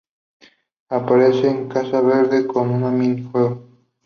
Aparece una casa verde con un mini juego.